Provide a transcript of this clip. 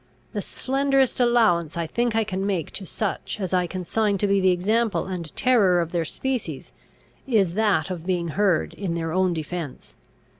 The slenderest allowance I think I can make to such as I consign to be the example and terror of their species, is that of being heard in their own defence.